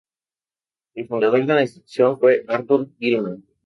El fundador de la institución fue Arthur Gilman.